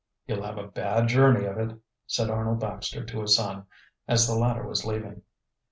"You'll have a bad journey of it," said Arnold Baxter to his son as the latter was leaving.